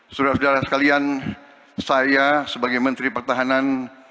sudara sudara sekalian saya sebagai menteri pertahanan